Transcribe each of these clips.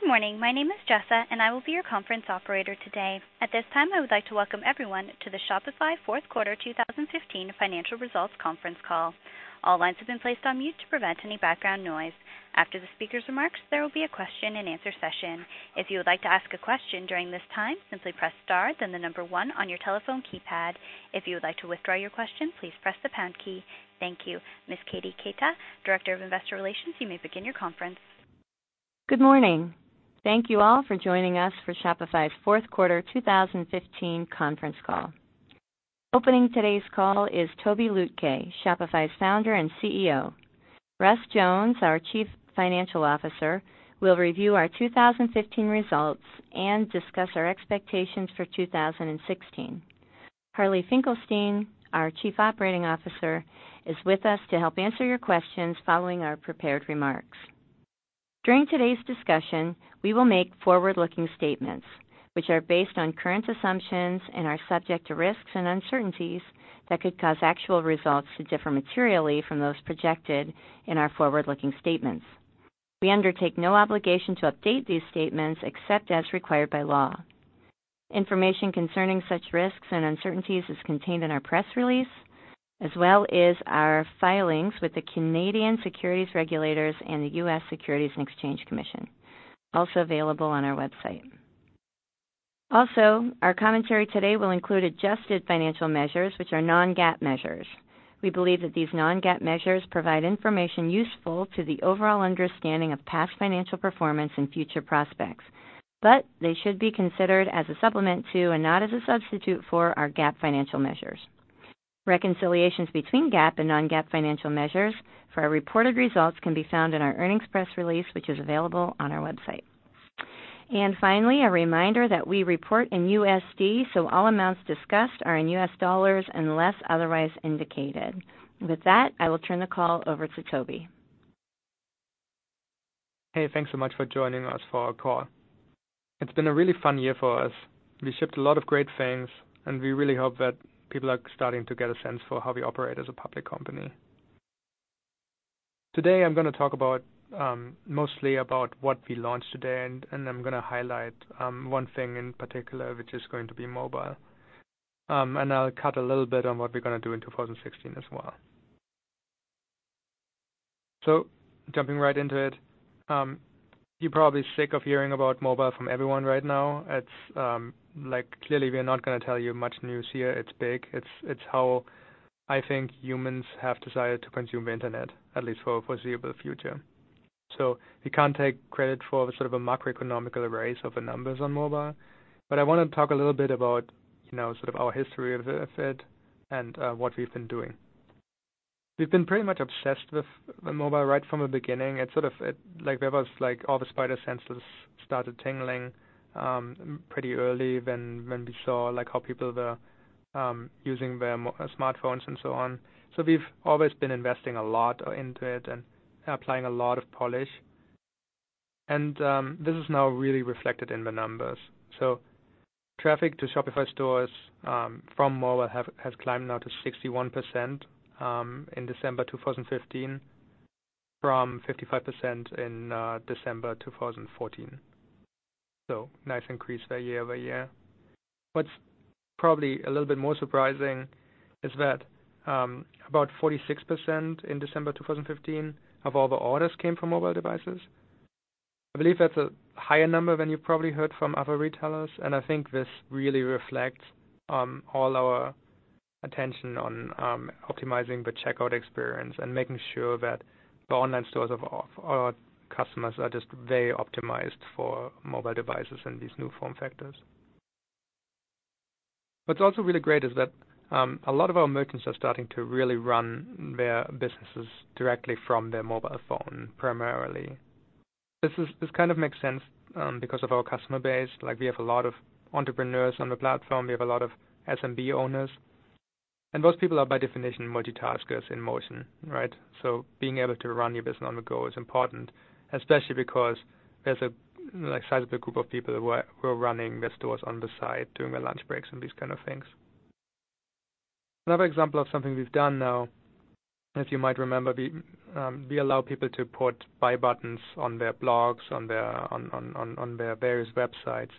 Good morning. My name is Jessa, and I will be your conference operator today. At this time, I would like to welcome everyone to the Shopify Fourth Quarter 2015 Financial Results Conference Call. All lines have been placed on mute to prevent any background noise. After the speaker's remarks, there will be a question-and-answer session. If you would like to ask a question during this time, simply press star then number one on your telephone keypad. If you would like to withdraw your question, please press the pound key. Thank you. Ms. Katie Keita, Director of Investor Relations, you may begin your conference. Good morning. Thank you all for joining us for Shopify's Fourth Quarter 2015 Conference Call. Opening today's call is Tobi Lütke, Shopify's Founder and CEO. Russ Jones, our Chief Financial Officer, will review our 2015 results and discuss our expectations for 2016. Harley Finkelstein, our Chief Operating Officer, is with us to help answer your questions following our prepared remarks. During today's discussion, we will make forward-looking statements which are based on current assumptions and are subject to risks and uncertainties that could cause actual results to differ materially from those projected in our forward-looking statements. We undertake no obligation to update these statements except as required by law. Information concerning such risks and uncertainties is contained in our press release, as well as our filings with the Canadian Securities Regulators and the U.S. Securities and Exchange Commission, also available on our website. Our commentary today will include adjusted financial measures which are non-GAAP measures. We believe that these non-GAAP measures provide information useful to the overall understanding of past financial performance and future prospects. They should be considered as a supplement to and not as a substitute for our GAAP financial measures. Reconciliations between GAAP and non-GAAP financial measures for our reported results can be found in our earnings press release, which is available on our website. Finally, a reminder that we report in USD, so all amounts discussed are in U.S. dollars unless otherwise indicated. With that, I will turn the call over to Tobi. Hey, thanks so much for joining us for our call. It's been a really fun year for us. We shipped a lot of great things, and we really hope that people are starting to get a sense for how we operate as a public company. Today, I'm going to talk about mostly about what we launched today, and I'm going to highlight one thing in particular, which is going to be mobile. I'll cut a little bit on what we're going to do in 2016 as well. Jumping right into it, you're probably sick of hearing about mobile from everyone right now. It's, like, clearly we are not going to tell you much news here. It's big. It's how I think humans have decided to consume internet, at least for foreseeable future. We can't take credit for the sort of a macroeconomic race of the numbers on mobile. I wanna talk a little bit about, you know, sort of our history of it and what we've been doing. We've been pretty much obsessed with the mobile right from the beginning. It sort of, like, there was, like, all the spider senses started tingling pretty early when we saw, like, how people were using their smartphones and so on. We've always been investing a lot into it and applying a lot of polish. This is now really reflected in the numbers. Traffic to Shopify stores from mobile has climbed now to 61% in December 2015, from 55% in December 2014. Nice increase there year-over-year. What's probably a little bit more surprising is that, about 46% in December 2015 of all the orders came from mobile devices. I believe that's a higher number than you probably heard from other retailers, and I think this really reflects all our attention on optimizing the checkout experience and making sure that the online stores of our customers are just very optimized for mobile devices and these new form factors. What's also really great is that a lot of our merchants are starting to really run their businesses directly from their mobile phone primarily. This kind of makes sense because of our customer base. Like, we have a lot of entrepreneurs on the platform. We have a lot of SMB owners. Those people are by definition multitaskers in motion, right? Being able to run your business on the go is important, especially because there's a, like, sizable group of people who are running their stores on the side during their lunch breaks and these kind of things. Another example of something we've done now, if you might remember, we allow people to put buy buttons on their blogs, on their various websites,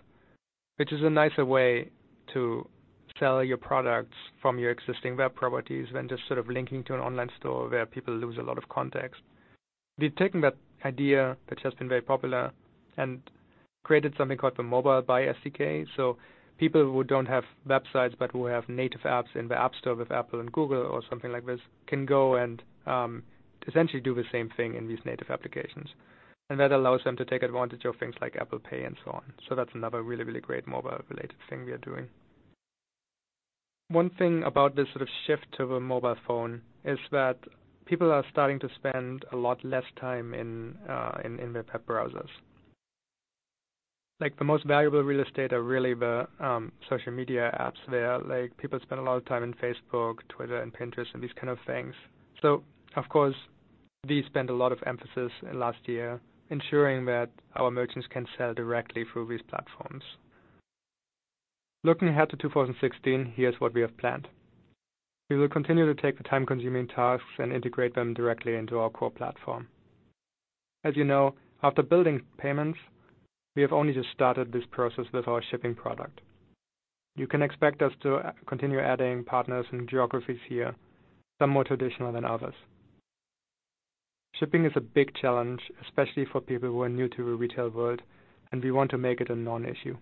which is a nicer way to sell your products from your existing web properties than just sort of linking to an online store where people lose a lot of context. We've taken that idea, which has been very popular, and created something called the Mobile Buy SDK. People who don't have websites, but who have native apps in the App Store with Apple and Google or something like this, can go and essentially do the same thing in these native applications. That allows them to take advantage of things like Apple Pay and so on. So that's another really really great mobile related to thing we are doing. One thing about this sort of shift to the mobile phone is that people are starting to spend a lot less time in their web browsers. Like, the most valuable real estate are really the social media apps. They are, like, people spend a lot of time in Facebook, Twitter, and Pinterest and these kind of things. Of course, we spent a lot of emphasis in last year ensuring that our merchants can sell directly through these platforms. Looking ahead to 2016, here's what we have planned. We will continue to take the time-consuming tasks and integrate them directly into our core platform. As you know, after building payments, we have only just started this process with our shipping product. You can expect us to continue adding partners and geographies here, some more traditional than others. Shipping is a big challenge, especially for people who are new to the retail world, and we want to make it a non-issue.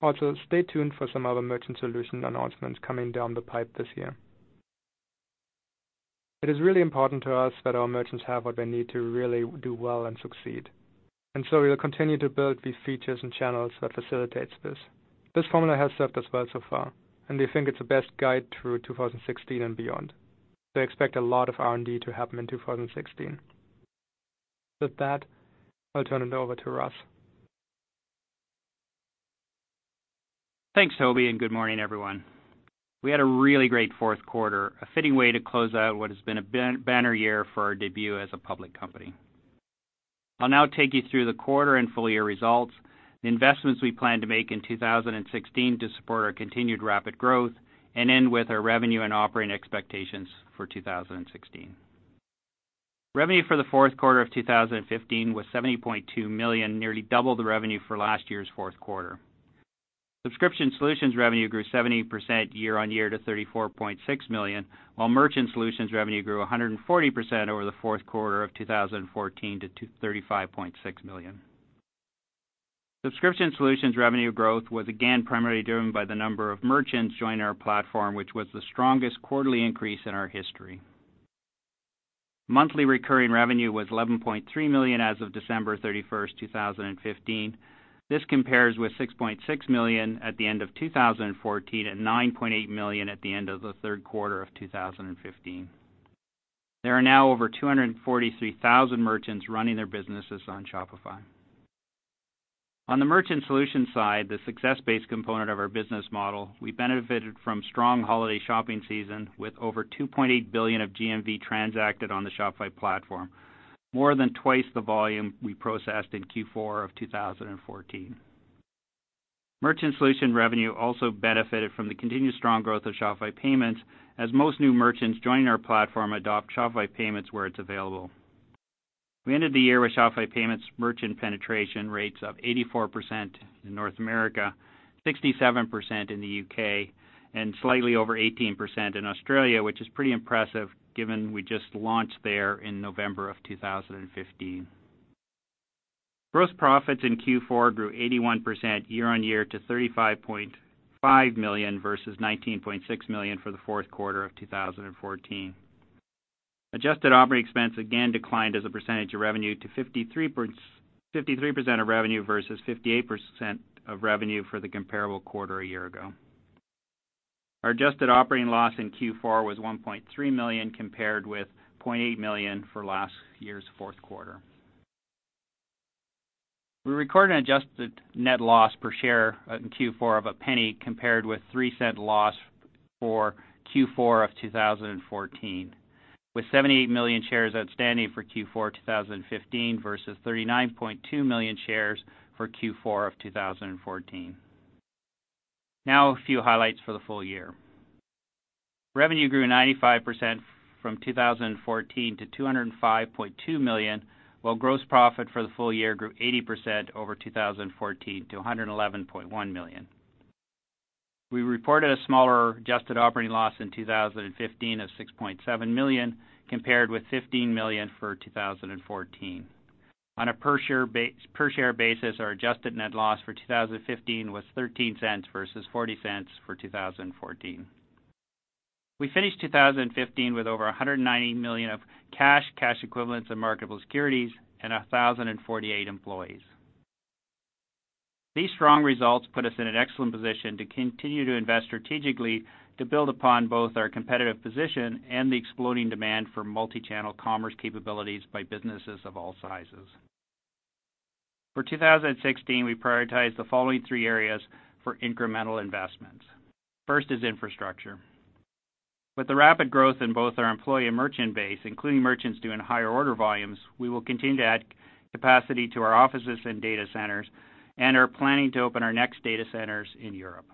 Also, stay tuned for some other merchant solution announcements coming down the pipe this year. It is really important to us that our merchants have what they need to really do well and succeed, and so we'll continue to build these features and channels that facilitates this. This formula has served us well so far, and we think it's the best guide through 2016 and beyond. Expect a lot of R&D to happen in 2016. With that, I'll turn it over to Russ. Thanks, Tobi, and good morning, everyone. We had a really great fourth quarter, a fitting way to close out what has been a banner year for our debut as a public company. I'll now take you through the quarter and full year results, the investments we plan to make in 2016 to support our continued rapid growth, and end with our revenue and operating expectations for 2016. Revenue for the fourth quarter of 2015 was $70.2 million, nearly double the revenue for last year's fourth quarter. Subscription solutions revenue grew 70% year-on-year to $34.6 million, while merchant solutions revenue grew 140% over the fourth quarter of 2014 to $35.6 million. Subscription solutions revenue growth was again primarily driven by the number of merchants joining our platform, which was the strongest quarterly increase in our history. Monthly recurring revenue was $11.3 million as of December 31st, 2015. This compares with $6.6 million at the end of 2014 and $9.8 million at the end of the third quarter of 2015. There are now over 243,000 merchants running their businesses on Shopify. On the merchant solutions side, the success-based component of our business model, we benefited from strong holiday shopping season with over $2.8 billion of GMV transacted on the Shopify platform, more than twice the volume we processed in Q4 of 2014. Merchant solution revenue also benefited from the continued strong growth of Shopify Payments as most new merchants joining our platform adopt Shopify Payments where it's available. We ended the year with Shopify Payments merchant penetration rates of 84% in North America, 67% in the U.K., and slightly over 18% in Australia, which is pretty impressive given we just launched there in November 2015. Gross profits in Q4 grew 81% year-over-year to $35.5 million versus $19.6 million for the fourth quarter of 2014. Adjusted operating expense again declined as a percentage of revenue to 53% of revenue versus 58% of revenue for the comparable quarter a year ago. Our adjusted operating loss in Q4 was $1.3 million compared with $0.8 million for last year's fourth quarter. We recorded an adjusted net loss per share in Q4 of $0.01 compared with $0.03 loss for Q4 of 2014, with 78 million shares outstanding for Q4 2015 versus 39.2 million shares for Q4 of 2014. A few highlights for the full year. Revenue grew 95% from 2014 to $205.2 million, while gross profit for the full year grew 80% over 2014 to $111.1 million. We reported a smaller adjusted operating loss in 2015 of $6.7 million compared with $15 million for 2014. On a per share basis, our adjusted net loss for 2015 was $0.13 versus $0.40 for 2014. We finished 2015 with over $190 million of cash equivalents and marketable securities and 1,048 employees. These strong results put us in an excellent position to continue to invest strategically to build upon both our competitive position and the exploding demand for multi-channel commerce capabilities by businesses of all sizes. For 2016, we prioritize the following three areas for incremental investments. First is infrastructure. With the rapid growth in both our employee and merchant base, including merchants doing higher order volumes, we will continue to add capacity to our offices and data centers and are planning to open our next data centers in Europe.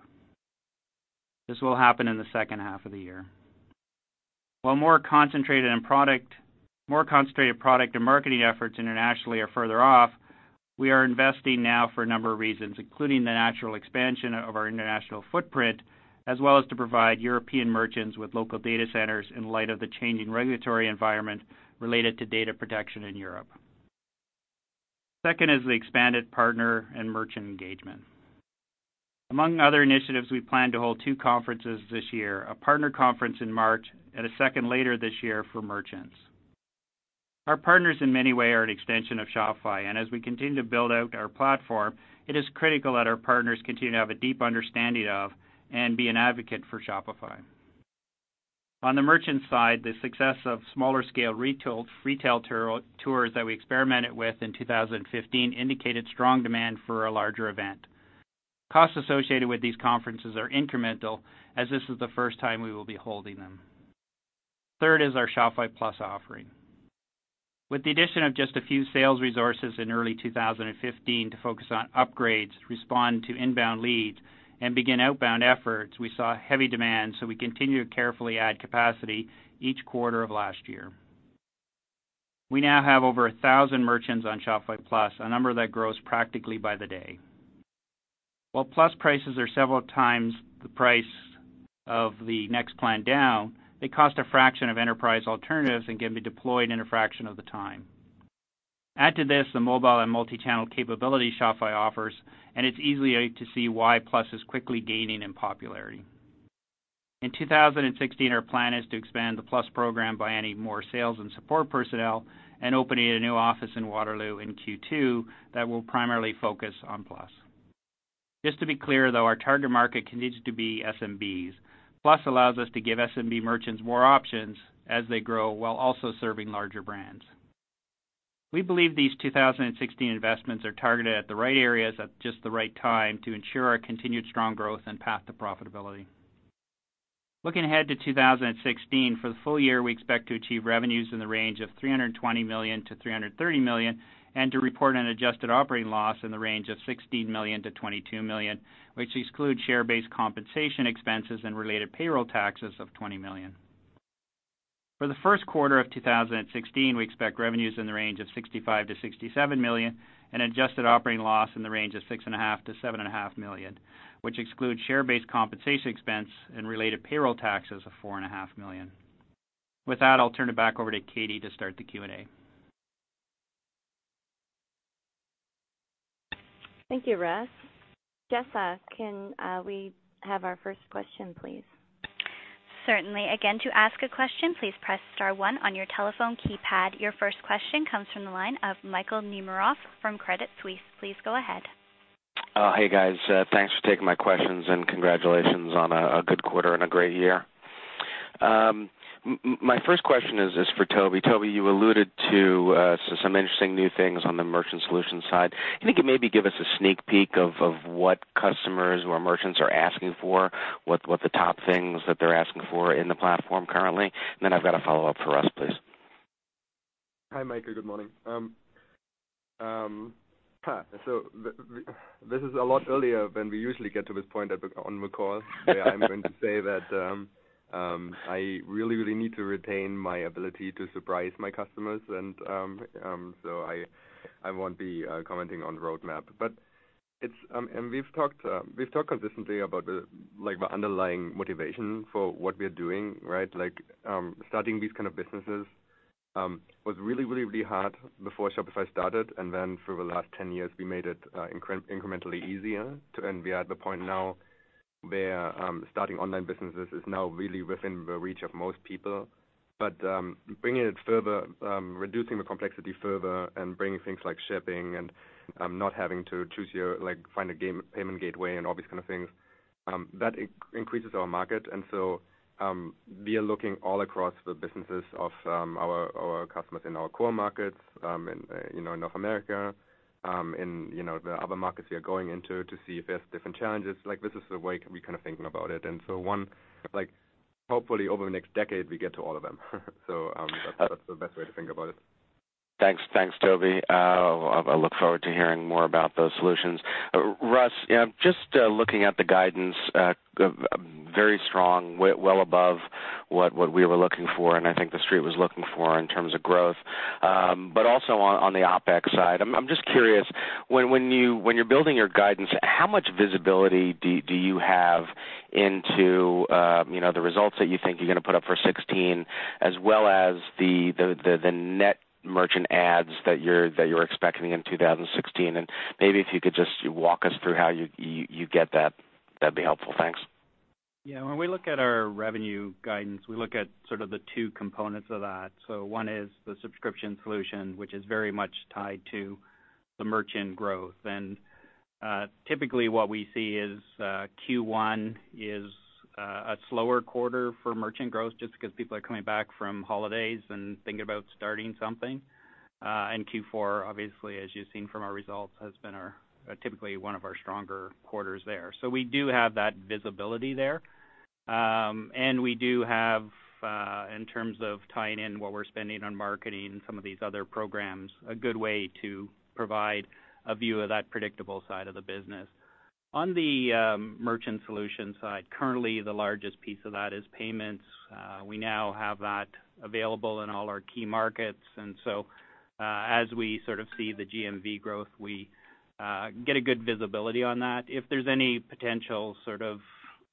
This will happen in the second half of the year. While more concentrated product and marketing efforts internationally are further off, we are investing now for a number of reasons, including the natural expansion of our international footprint as well as to provide European merchants with local data centers in light of the changing regulatory environment related to data protection in Europe. Second is the expanded partner and merchant engagement. Among other initiatives, we plan to hold two conferences this year, a partner conference in March and a second later this year for merchants. Our partners, in many ways, are an extension of Shopify, and as we continue to build out our platform, it is critical that our partners continue to have a deep understanding of and be an advocate for Shopify. On the merchant side, the success of smaller scale retail tours that we experimented with in 2015 indicated strong demand for a larger event. Costs associated with these conferences are incremental as this is the first time we will be holding them. Third is our Shopify Plus offering. With the addition of just a few sales resources in early 2015 to focus on upgrades, respond to inbound leads, and begin outbound efforts, we saw heavy demand. We continue to carefully add capacity each quarter of last year. We now have over 1,000 merchants on Shopify Plus, a number that grows practically by the day. While Plus prices are several times the price of the next plan down, they cost a fraction of enterprise alternatives and can be deployed in a fraction of the time. Add to this the mobile and multi-channel capability Shopify offers, it's easy to see why Plus is quickly gaining in popularity. In 2016, our plan is to expand the Plus program by adding more sales and support personnel and opening a new office in Waterloo in Q2 that will primarily focus on Plus. Just to be clear, though, our target market continues to be SMBs. Plus allows us to give SMB merchants more options as they grow while also serving larger brands. We believe these 2016 investments are targeted at the right areas at just the right time to ensure our continued strong growth and path to profitability. Looking ahead to 2016, for the full year, we expect to achieve revenues in the range of $320 million-$330 million and to report an adjusted operating loss in the range of $16 million-$22 million, which excludes share-based compensation expenses and related payroll taxes of $20 million. For the first quarter of 2016, we expect revenues in the range of $65 million-$67 million and adjusted operating loss in the range of $6.5 million-$7.5 million, which excludes share-based compensation expense and related payroll taxes of $4.5 million. With that, I'll turn it back over to Katie to start the Q&A. Thank you, Russ. Jessa, can we have our first question, please? Certainly. Again, to ask a question, please press star one on your telephone keypad. Your first question comes from the line of Michael Nemeroff from Credit Suisse. Please go ahead. Hey, guys. Thanks for taking my questions, and congratulations on a good quarter and a great year. My first question is for Tobi. Tobi, you alluded to some interesting new things on the merchant solutions side. Do you think you maybe give us a sneak peek of what customers or merchants are asking for, what the top things that they're asking for in the platform currently? I've got a follow-up for Russ, please. Hi, Michael, good morning. This is a lot earlier than we usually get to this point on the call where I'm going to say that I really, really need to retain my ability to surprise my customers. I won't be commenting on the roadmap. It's and we've talked consistently about the like the underlying motivation for what we're doing, right? Like, starting these kind of businesses was really, really, really hard before Shopify started, and then for the last 10 years, we made it incrementally easier to then be at the point now where starting online businesses is now really within the reach of most people. Bringing it further, reducing the complexity further and bringing things like shipping and not having to choose your, like, find a payment gateway and all these kind of things, that increases our market. We are looking all across the businesses of our customers in our core markets, in, you know, in North America, in, you know, the other markets we are going into to see if there's different challenges. Like, this is the way we kind of thinking about it. One, like, hopefully, over the next decade, we get to all of them. That's the best way to think about it. Thanks. Thanks, Tobi. I look forward to hearing more about those solutions. Russ, you know, just looking at the guidance, a very strong, well above what we were looking for and I think the street was looking for in terms of growth. But also on the OpEx side, I'm just curious, when you're building your guidance, how much visibility do you have into, you know, the results that you think you're gonna put up for 2016 as well as the net merchant adds that you're expecting in 2016? Maybe if you could just walk us through how you get that'd be helpful. Thanks. Yeah, when we look at our revenue guidance, we look at sort of the two components of that. One is the subscription solution, which is very much tied to the merchant growth. Typically, what we see is Q1 is a slower quarter for merchant growth just 'cause people are coming back from holidays and thinking about starting something. Q4, obviously, as you've seen from our results, has been our typically one of our stronger quarters there. We do have that visibility there. We do have, in terms of tying in what we're spending on marketing and some of these other programs, a good way to provide a view of that predictable side of the business. On the merchant solutions side, currently the largest piece of that is payments. We now have that available in all our key markets. As we sort of see the GMV growth, we get a good visibility on that. If there's any potential sort of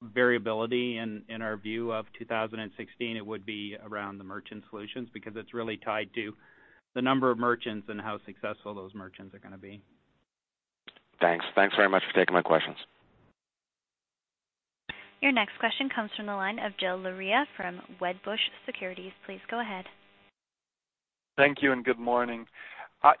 variability in our view of 2016, it would be around the merchant solutions because it's really tied to the number of merchants and how successful those merchants are gonna be. Thanks. Thanks very much for taking my questions. Your next question comes from the line of Gil Luria from Wedbush Securities. Please go ahead. Thank you. Good morning.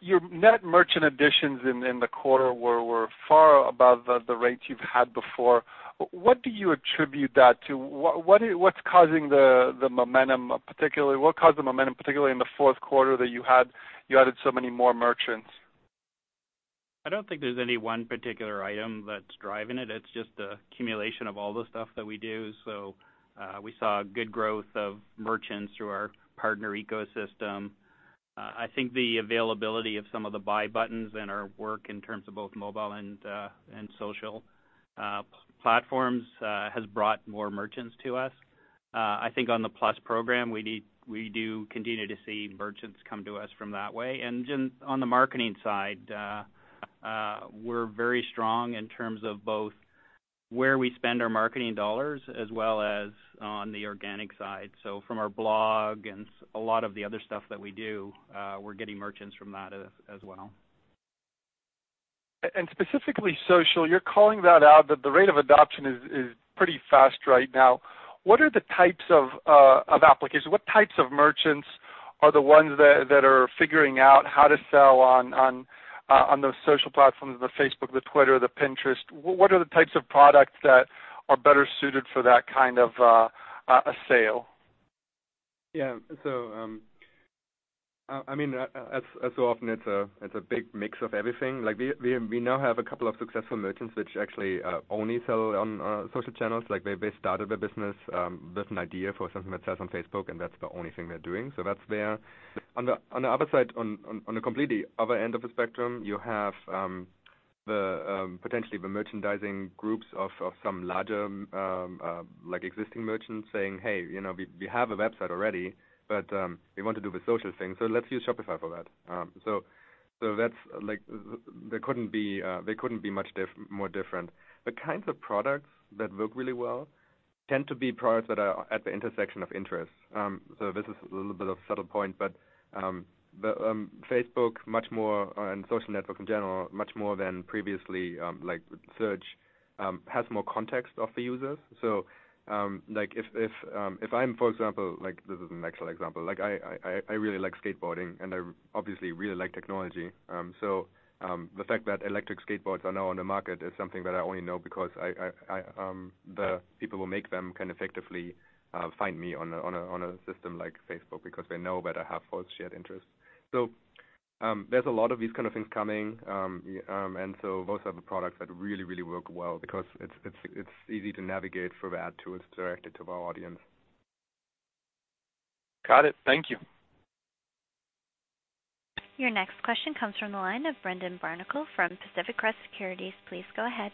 Your net merchant additions in the quarter were far above the rates you've had before. What do you attribute that to? What's causing the momentum, particularly what caused the momentum, particularly in the fourth quarter that you added so many more merchants? I don't think there's any one particular item that's driving it. It's just a accumulation of all the stuff that we do. We saw good growth of merchants through our partner ecosystem. I think the availability of some of the buy buttons and our work in terms of both mobile and social platforms has brought more merchants to us. I think on the Plus program, we do continue to see merchants come to us from that way. On the marketing side, we're very strong in terms of both where we spend our marketing dollars as well as on the organic side. From our blog and a lot of the other stuff that we do, we're getting merchants from that as well. Specifically social, you're calling that out that the rate of adoption is pretty fast right now. What are the types of applications? What types of merchants are the ones that are figuring out how to sell on those social platforms, the Facebook, the Twitter, the Pinterest? What are the types of products that are better suited for that kind of a sale? I mean, as so often, it's a big mix of everything. We now have a couple of successful merchants which actually only sell on social channels. They started their business with an idea for something that sells on Facebook, and that's the only thing they're doing. That's there. On the other side, on a completely other end of the spectrum, you have the potentially the merchandising groups of some larger, like existing merchants saying, "Hey, you know, we have a website already, but we want to do the social thing, let's use Shopify for that." That's like the they couldn't be much more different. The kinds of products that work really well tend to be products that are at the intersection of interest. This is a little bit of subtle point, but the Facebook much more, and social network in general, much more than previously, like search, has more context of the users. Like if I'm, for example, like this is an actual example. Like I really like skateboarding, and I obviously really like technology. The fact that electric skateboards are now on the market is something that I only know because I the people who make them can effectively find me on a system like Facebook because they know that I have both shared interests. There's a lot of these kind of things coming. Those are the products that really work well because it's easy to navigate for the ad to, it's directed to the right audience. Got it. Thank you. Your next question comes from the line of Brendan Barnicle from Pacific Crest Securities. Please go ahead.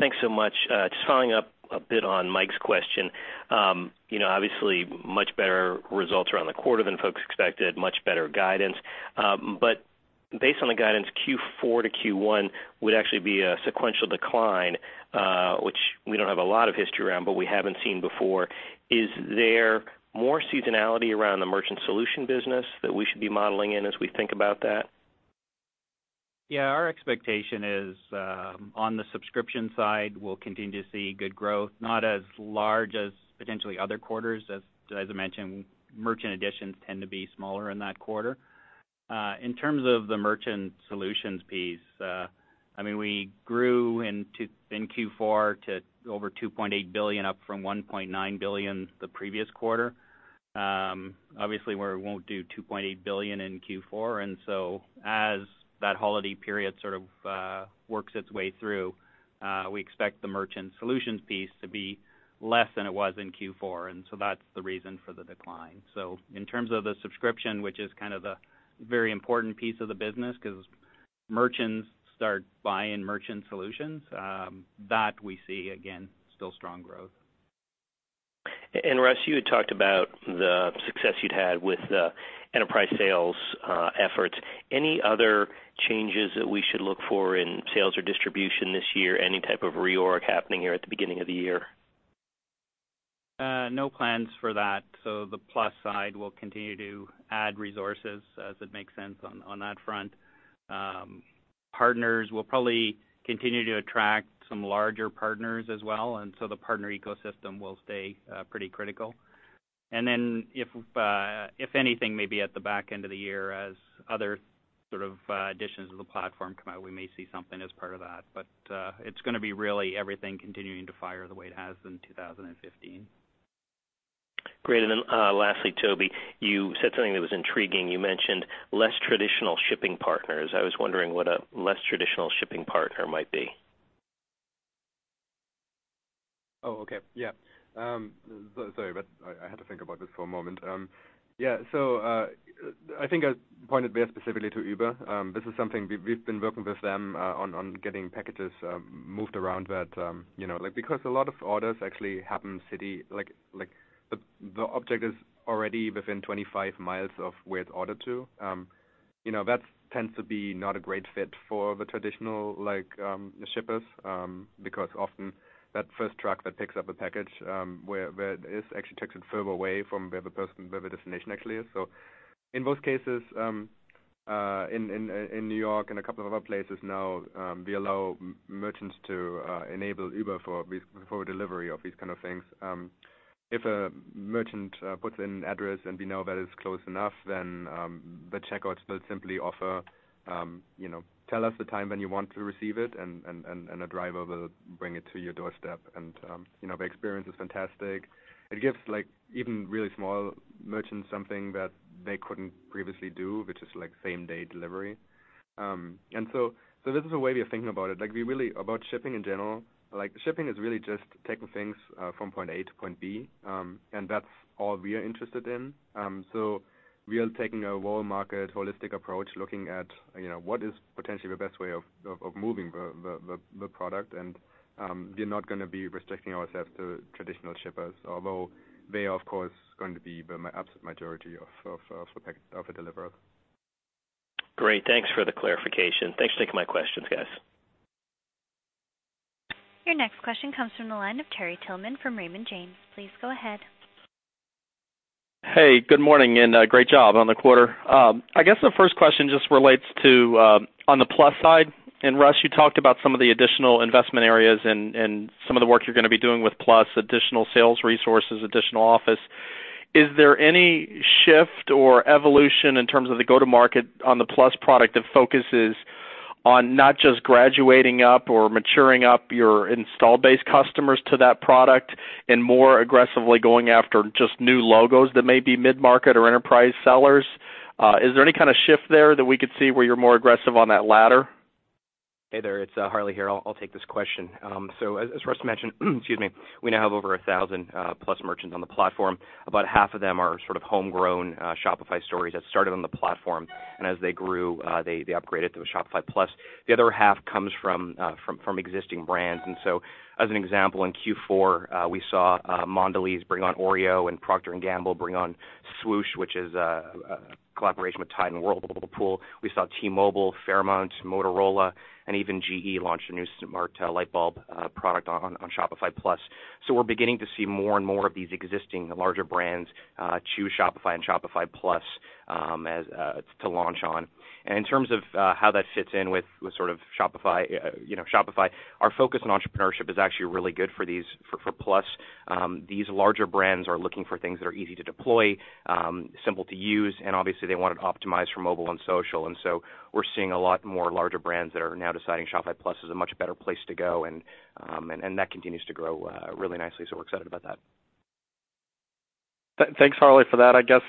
Thanks so much. Just following up a bit on Mike's question. You know, obviously much better results around the quarter than folks expected, much better guidance. Based on the guidance, Q4 to Q1 would actually be a sequential decline, which we don't have a lot of history around, but we haven't seen before. Is there more seasonality around the merchant solution business that we should be modeling in as we think about that? Our expectation is, on the subscription side, we'll continue to see good growth, not as large as potentially other quarters. As I mentioned, merchant additions tend to be smaller in that quarter. In terms of the merchant solutions piece, I mean, we grew in Q4 to over $2.8 billion, up from $1.9 billion the previous quarter. Obviously, we won't do $2.8 billion in Q4, and as that holiday period sort of, works its way through, we expect the merchant solutions piece to be less than it was in Q4, and so that's the reason for the decline. In terms of the subscription, which is kind of the very important piece of the business 'cause merchants start buying merchant solutions, that we see again, still strong growth. Russ, you had talked about the success you'd had with the enterprise sales efforts. Any other changes that we should look for in sales or distribution this year? Any type of reorg happening here at the beginning of the year? No plans for that. The Plus side will continue to add resources as it makes sense on that front. Partners, we'll probably continue to attract some larger partners as well, and so the partner ecosystem will stay pretty critical. If anything, maybe at the back end of the year as other sort of additions to the platform come out, we may see something as part of that. It's gonna be really everything continuing to fire the way it has in 2015. Great. Lastly, Tobi, you said something that was intriguing. You mentioned less traditional shipping partners. I was wondering what a less traditional shipping partner might be. Oh, okay. Yeah. Sorry, but I had to think about this for a moment. I think I pointed there specifically to Uber. This is something we've been working with them on getting packages moved around that, you know. Because a lot of orders actually happen city, like the object is already within 25 mi of where it's ordered to. You know, that tends to be not a great fit for the traditional like shippers, because often that first truck that picks up a package where it is actually takes it further away from where the person, where the destination actually is. In most cases, in New York and a couple of other places now, we allow merchants to enable Uber for delivery of these kind of things. If a merchant puts in address and we know that it's close enough, then the checkout will simply offer, you know, tell us the time when you want to receive it, and a driver will bring it to your doorstep. You know, the experience is fantastic. It gives like even really small merchants something that they couldn't previously do, which is like same-day delivery. This is a way of thinking about it. Like we really about shipping in general, like shipping is really just taking things from point A to point B, and that's all we are interested in. We are taking a whole market holistic approach, looking at, you know, what is potentially the best way of moving the product. We're not gonna be restricting ourselves to traditional shippers, although they are of course going to be the absolute majority of the deliverers. Great. Thanks for the clarification. Thanks for taking my questions, guys. Your next question comes from the line of Terry Tillman from Raymond James. Please go ahead. Hey, good morning, great job on the quarter. I guess the first question just relates to on the Plus side. Russ, you talked about some of the additional investment areas and some of the work you're gonna be doing with Plus, additional sales resources, additional office. Is there any shift or evolution in terms of the go-to-market on the Plus product that focuses on not just graduating up or maturing up your install base customers to that product and more aggressively going after just new logos that may be mid-market or enterprise sellers? Is there any kinda shift there that we could see where you're more aggressive on that ladder? Hey there, it's Harley here. I'll take this question. As Russ mentioned, excuse me, we now have over 1,000 Plus merchants on the platform. About half of them are sort of homegrown Shopify stories that started on the platform, and as they grew, they upgraded to Shopify Plus. The other half comes from existing brands. As an example, in Q4, we saw Mondelēz bring on Oreo and Procter & Gamble bring on Swash, which is a collaboration with Tide and Whirlpool. We saw T-Mobile, Fairmont, Motorola, and even GE launch a new smart light bulb product on Shopify Plus. We're beginning to see more and more of these existing larger brands choose Shopify and Shopify Plus as to launch on. In terms of how that fits in with sort of Shopify, you know, Shopify, our focus on entrepreneurship is actually really good for these, for Plus. These larger brands are looking for things that are easy to deploy, simple to use, and obviously, they want it optimized for mobile and social. We're seeing a lot more larger brands that are now deciding Shopify Plus is a much better place to go and that continues to grow really nicely, so we're excited about that. Thanks, Harley, for that. I guess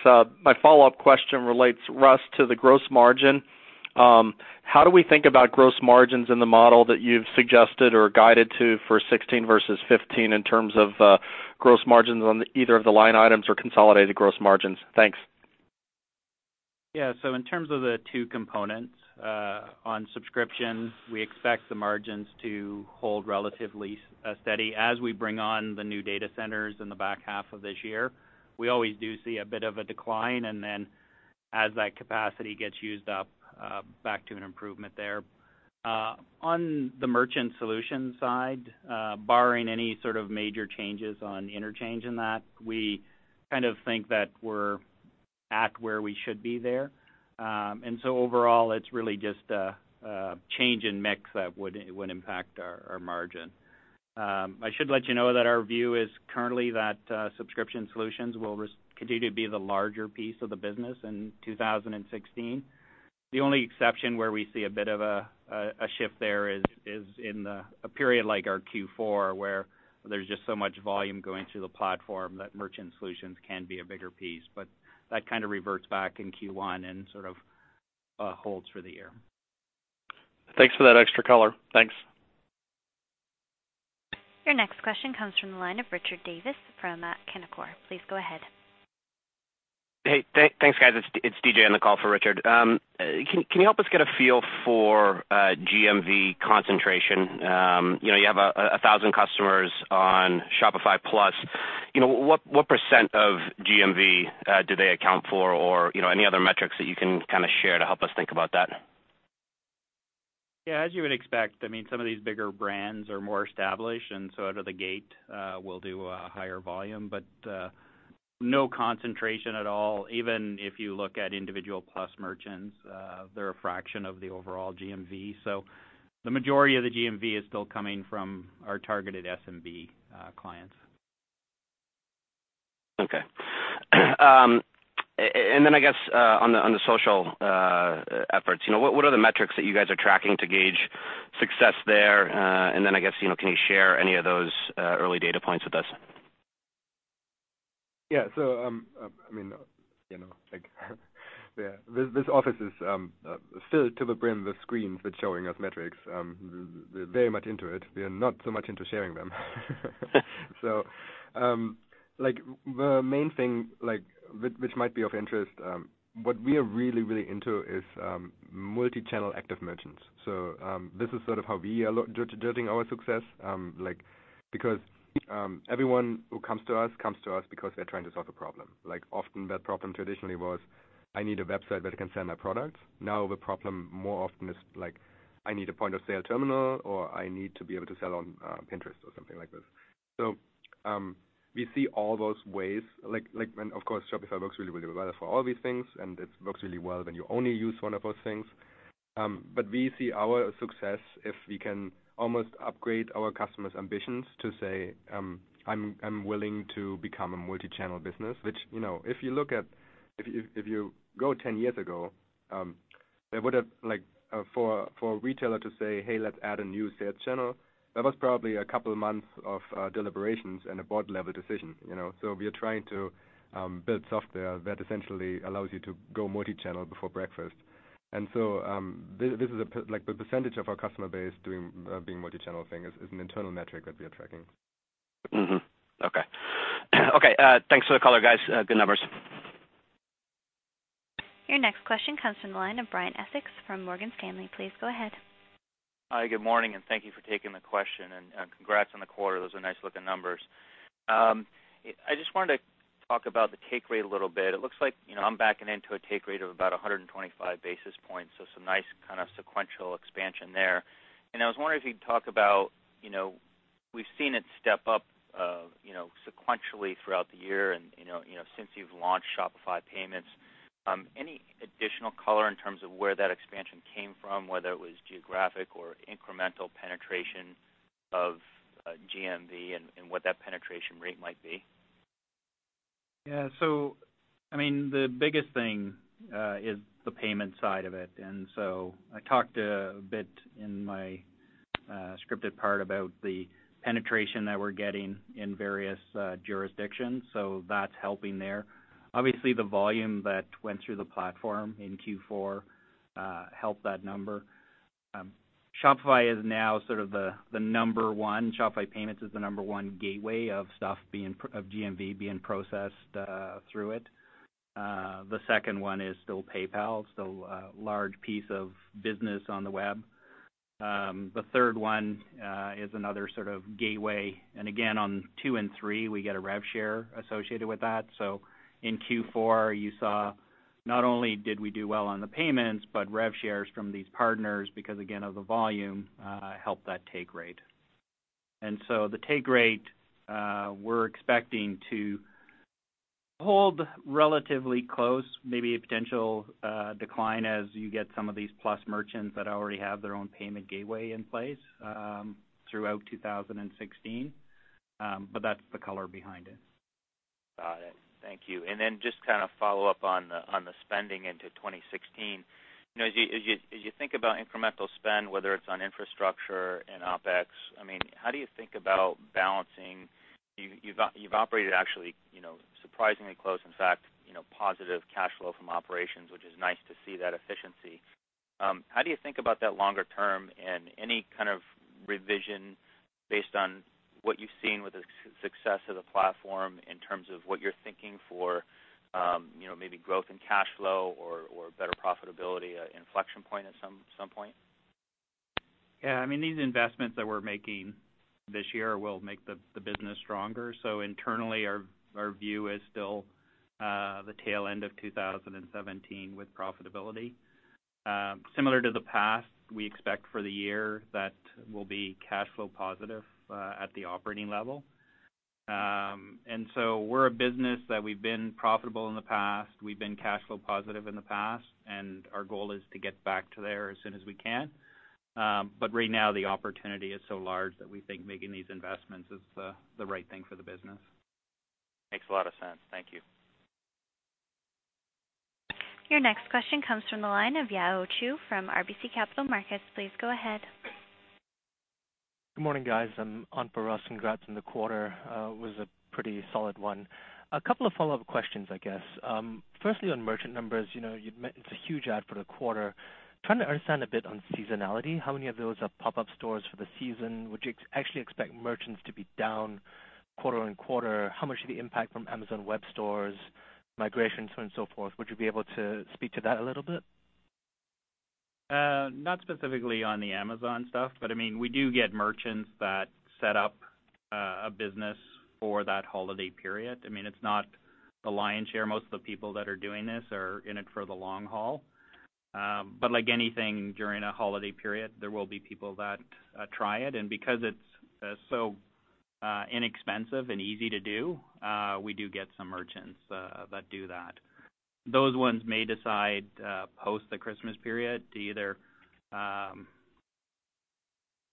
my follow-up question relates, Russ, to the gross margin. How do we think about gross margins in the model that you've suggested or guided to for 2016 versus 2015 in terms of gross margins on either of the line items or consolidated gross margins? Thanks. Yeah. In terms of the two components, on subscription, we expect the margins to hold relatively steady. As we bring on the new data centers in the back half of this year, we always do see a bit of a decline and then as that capacity gets used up, back to an improvement there. On the merchant solution side, barring any sort of major changes on interchange in that, we kind of think that we're at where we should be there. Overall, it's really just a change in mix that would impact our margin. I should let you know that our view is currently that subscription solutions will continue to be the larger piece of the business in 2016. The only exception where we see a bit of a shift there is in the, a period like our Q4, where there's just so much volume going through the platform that merchant solutions can be a bigger piece. That kinda reverts back in Q1 and sort of holds for the year. Thanks for that extra color. Thanks. Your next question comes from the line of Richard Davis from Canaccord. Please go ahead. Hey, thanks, guys. It's DJ on the call for Richard. Can you help us get a feel for GMV concentration? You know, you have 1,000 customers on Shopify Plus. You know, what percent of GMV do they account for or, you know, any other metrics that you can kinda share to help us think about that? Yeah, as you would expect, I mean, some of these bigger brands are more established, out of the gate will do a higher volume, no concentration at all. Even if you look at individual Plus merchants, they're a fraction of the overall GMV. The majority of the GMV is still coming from our targeted SMB clients. Okay. Then I guess, on the social efforts, you know, what are the metrics that you guys are tracking to gauge success there? Then I guess, you know, can you share any of those early data points with us? Yeah. I mean, you know, like yeah, this office is filled to the brim with screens that's showing us metrics. We're very much into it. We are not so much into sharing them. Like the main thing like which might be of interest, what we are really, really into is multi-channel active merchants. This is sort of how we are judging our success. Like because everyone who comes to us comes to us because they're trying to solve a problem. Like often that problem traditionally was, I need a website that can sell my product. Now the problem more often is like, I need a point of sale terminal, or I need to be able to sell on Pinterest or something like this. We see all those ways, like, and of course, Shopify works really well for all these things, and it works really well when you only use one of those things. We see our success if we can almost upgrade our customers' ambitions to say, I'm willing to become a multi-channel business. Which, you know, if you go 10 years ago, they would have for a retailer to say, "Hey, let's add a new sales channel," that was probably a couple of months of deliberations and a board-level decision, you know. We are trying to build software that essentially allows you to go multi-channel before breakfast. The percentage of our customer base doing being multi-channel thing is an internal metric that we are tracking. Mm-hmm. Okay. Okay, thanks for the color, guys. Good numbers. Your next question comes from the line of Brian Essex from Morgan Stanley. Please go ahead. Hi, good morning, thank you for taking the question, and congrats on the quarter. Those are nice-looking numbers. I just wanted to talk about the take rate a little bit. It looks like, you know, I'm backing into a take rate of about 125 basis points, so some nice kind of sequential expansion there. I was wondering if you could talk about, you know, we've seen it step up, you know, sequentially throughout the year and, you know, since you've launched Shopify Payments. Any additional color in terms of where that expansion came from, whether it was geographic or incremental penetration of GMV and what that penetration rate might be? I mean, the biggest thing is the payment side of it. I talked a bit in my scripted part about the penetration that we're getting in various jurisdictions, so that's helping there. Obviously, the volume that went through the platform in Q4 helped that number. Shopify is now sort of the number one. Shopify Payments is the number one gateway of GMV being processed through it. The second one is still PayPal, still a large piece of business on the web. The third one is another sort of gateway. Again, on two and three, we get a rev share associated with that. In Q4, you saw not only did we do well on the payments, but rev shares from these partners because again of the volume, helped that take rate. The take rate, we're expecting to hold relatively close, maybe a potential decline as you get some of these Plus merchants that already have their own payment gateway in place, throughout 2016. That's the color behind it. Got it. Thank you. Just kind of follow up on the spending into 2016. You know, as you think about incremental spend, whether it's on infrastructure and OpEx, I mean, how do you think about balancing You've operated actually, you know, surprisingly close, in fact, you know, positive cash flow from operations, which is nice to see that efficiency. How do you think about that longer term and any kind of revision based on what you've seen with the success of the platform in terms of what you're thinking for, you know, maybe growth in cash flow or better profitability, a inflection point at some point? Yeah, I mean, these investments that we're making this year will make the business stronger. Internally, our view is still the tail end of 2017 with profitability. Similar to the past, we expect for the year that we'll be cash flow positive at the operating level. We're a business that we've been profitable in the past, we've been cash flow positive in the past, and our goal is to get back to there as soon as we can. Right now, the opportunity is so large that we think making these investments is the right thing for the business. Makes a lot of sense. Thank you. Your next question comes from the line of Yao Chew from RBC Capital Markets. Please go ahead. Good morning, guys. I'm on for Ross. Congrats on the quarter. was a pretty solid one. A couple of follow-up questions, I guess. firstly, on merchant numbers, you know, it's a huge ad for the quarter. Trying to understand a bit on seasonality, how many of those are pop-up stores for the season? Would you actually expect merchants to be down quarter on quarter? How much of the impact from Amazon Webstore, migration, so on and so forth? Would you be able to speak to that a little bit? Not specifically on the Amazon stuff, but I mean, we do get merchants that set up a business for that holiday period. I mean, it's not the lion's share. Most of the people that are doing this are in it for the long haul. But like anything during a holiday period, there will be people that try it. Because it's so inexpensive and easy to do, we do get some merchants that do that. Those ones may decide, post the Christmas period to either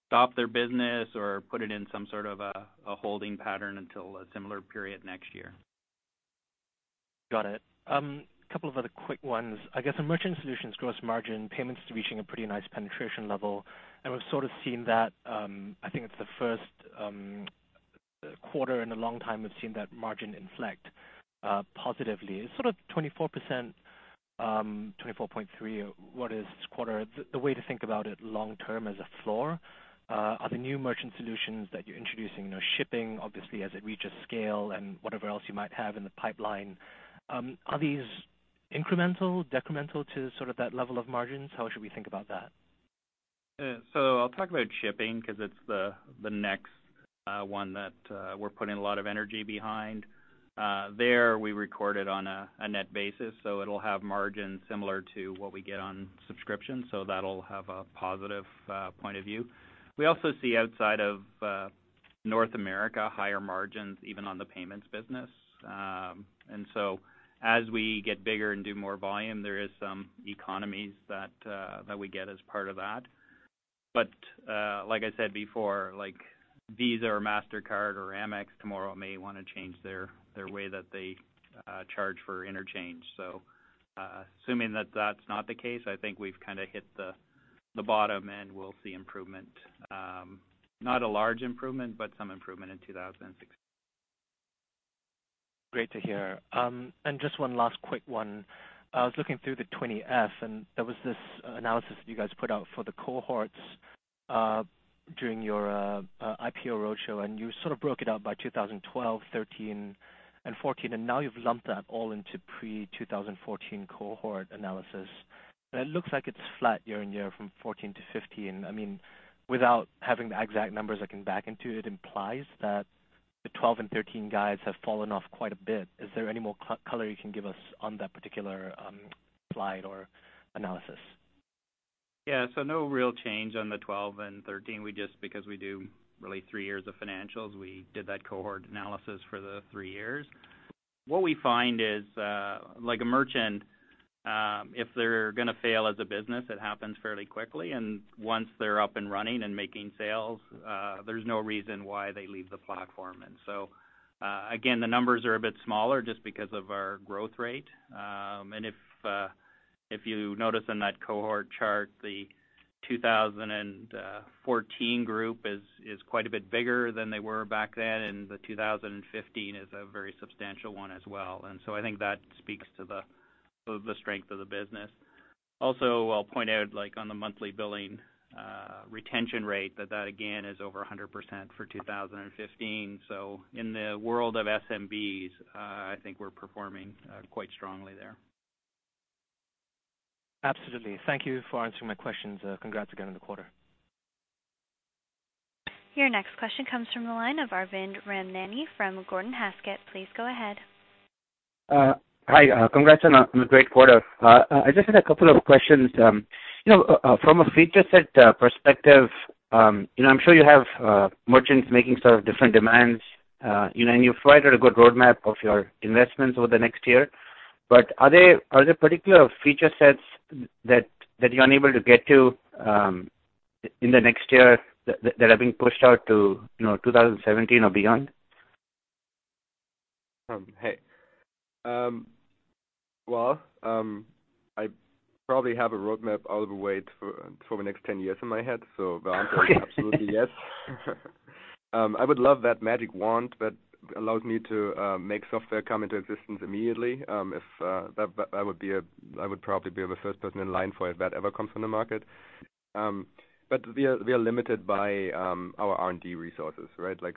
stop their business or put it in some sort of a holding pattern until a similar period next year. Got it. couple of other quick ones. I guess on merchant solutions gross margin, payments to reaching a pretty nice penetration level, and we've sort of seen that, I think it's the first quarter in a long time we've seen that margin inflect positively. It's sort of 24%, 24.3%. What is this quarter, the way to think about it long term as a floor? Are the new merchant solutions that you're introducing, you know, shipping obviously as it reaches scale and whatever else you might have in the pipeline, are these incremental, decremental to sort of that level of margins? How should we think about that? I'll talk about shipping 'cause it's the next one that we're putting a lot of energy behind. There we recorded on a net basis, so it'll have margins similar to what we get on subscription, so that'll have a positive point of view. We also see outside of North America, higher margins even on the payments business. As we get bigger and do more volume, there is some economies that we get as part of that. Like I said before, like Visa or Mastercard or Amex tomorrow may wanna change their way that they charge for interchange. Assuming that that's not the case, I think we've kinda hit the bottom and we'll see improvement. Not a large improvement, but some improvement in 2006. Great to hear. Just one last quick one. I was looking through the 20-F, and there was this analysis that you guys put out for the cohorts, during your IPO roadshow, and you sort of broke it out by 2012, 2013, and 2014, and now you've lumped that all into pre-2014 cohort analysis. It looks like it's flat year-over-year from 2014 to 2015. I mean, without having the exact numbers I can back into, it implies that the 2012 and 2013 guys have fallen off quite a bit. Is there any more color you can give us on that particular slide or analysis? Yeah. No real change on the 12 and 13. We just, because we do really three years of financials, we did that cohort analysis for the three years. What we find is, like a merchant, if they're gonna fail as a business, it happens fairly quickly. Once they're up and running and making sales, there's no reason why they leave the platform. Again, the numbers are a bit smaller just because of our growth rate. If you notice in that cohort chart, the 2014 group is quite a bit bigger than they were back then, and the 2015 is a very substantial one as well. I think that speaks to the strength of the business. I'll point out, like on the monthly billing retention rate, that again is over 100% for 2015. In the world of SMBs, I think we're performing quite strongly there. Absolutely. Thank you for answering my questions. Congrats again on the quarter. Your next question comes from the line of Arvind Ramnani from Gordon Haskett. Please go ahead. Hi. Congrats on a great quarter. I just had a couple of questions. You know, from a feature set perspective, you know, I'm sure you have merchants making sort of different demands, you know, and you've provided a good roadmap of your investments over the next year. Are there particular feature sets that you're unable to get to in the next year that are being pushed out to, you know, 2017 or beyond? Hey. Well, I probably have a roadmap all the way for the next 10 years in my head. The answer is absolutely yes. I would love that magic wand that allows me to make software come into existence immediately. I would probably be the first person in line for it if that ever comes from the market. We are limited by our R&D resources, right? Like,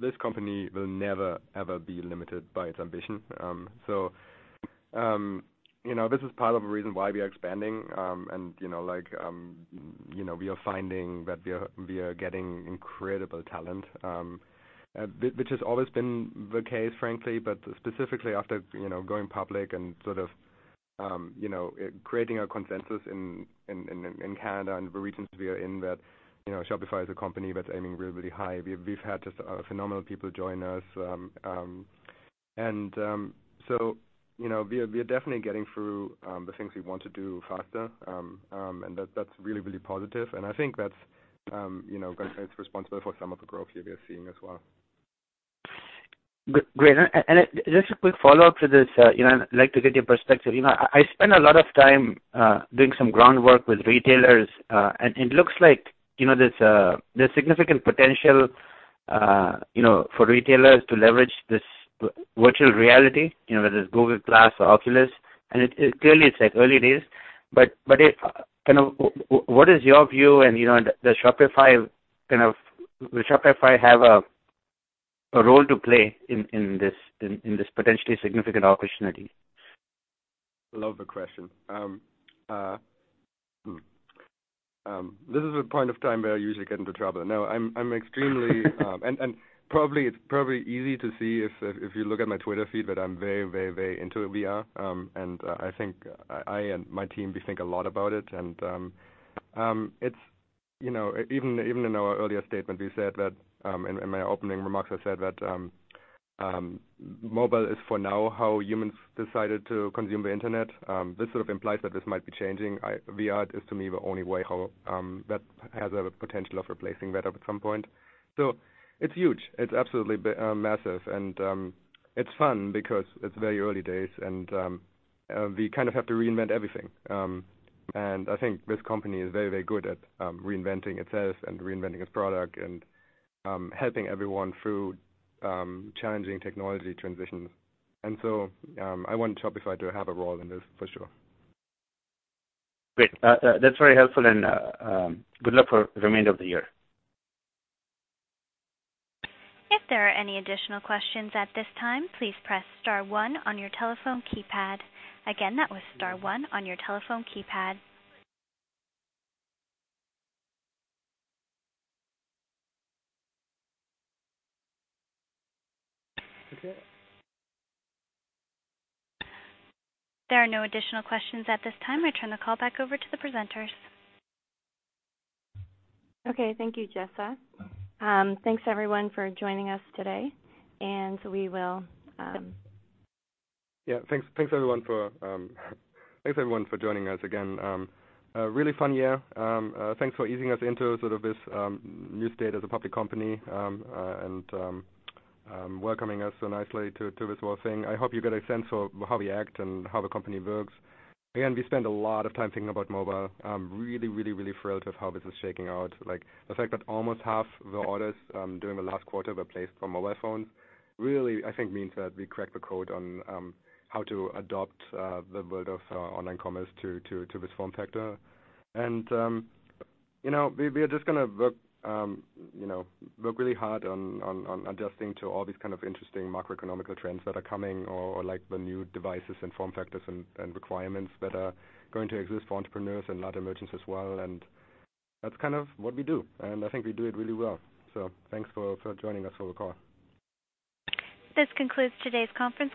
this company will never, ever be limited by its ambition. You know, this is part of the reason why we are expanding. You know, like, you know, we are finding that we are getting incredible talent, which has always been the case, frankly, but specifically after, you know, going public and sort of, you know, creating a consensus in Canada and the regions we are in that, you know, Shopify is a company that's aiming really, really high. We've had just phenomenal people join us. You know, we are definitely getting through the things we want to do faster, and that's really, really positive. I think that's, you know, going to be responsible for some of the growth we are seeing as well. Great. Just a quick follow-up to this, you know, I'd like to get your perspective. You know, I spend a lot of time doing some groundwork with retailers, and it looks like, you know, there's significant potential, you know, for retailers to leverage this virtual reality, you know, whether it's Google Glass or Oculus. It clearly it's like early days, but what is your view and, you know, will Shopify have a role to play in this potentially significant opportunity? Love the question. This is a point of time where I usually get into trouble. I'm. Probably, it's probably easy to see if you look at my Twitter feed, that I'm very, very, very into VR. I think I and my team, we think a lot about it. It's, you know, even in our earlier statement, we said that in my opening remarks, I said that mobile is for now how humans decided to consume the Internet. This sort of implies that this might be changing. VR is to me the only way how that has a potential of replacing that at some point. It's huge. It's absolutely massive. It's fun because it's very early days, and we kind of have to reinvent everything. I think this company is very, very good at reinventing itself and reinventing its product and helping everyone through challenging technology transitions. I want Shopify to have a role in this for sure. Great. That's very helpful and good luck for the remainder of the year. If there are any additional questions at this time, please press star one on your telephone keypad. Again, that was star one on your telephone keypad. Okay. There are no additional questions at this time. I turn the call back over to the presenters. Okay. Thank you, Jessa. Thanks everyone for joining us today. Yeah. Thanks everyone for joining us again. A really fun year. Thanks for easing us into sort of this new state as a public company and welcoming us so nicely to this whole thing. I hope you get a sense for how we act and how the company works. Again, we spend a lot of time thinking about mobile. I'm really thrilled with how this is shaking out. Like, the fact that almost half the orders during the last quarter were placed from mobile phones, really, I think means that we cracked the code on how to adopt the world of online commerce to this form factor. You know, we are just gonna work, you know, work really hard on adjusting to all these kind of interesting macroeconomical trends that are coming or like the new devices and form factors and requirements that are going to exist for entrepreneurs and other merchants as well. That's kind of what we do, and I think we do it really well. Thanks for joining us for the call. This concludes today's conference.